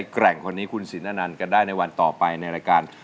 แกร่งคนนี้คุณสินอนันต์กันได้ในวันต่อไปในรายการ